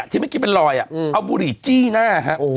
ที่มันกินเป็นรอยเอาบุหรี่จี้หน้า